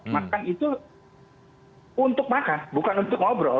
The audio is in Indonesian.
makan itu untuk makan bukan untuk ngobrol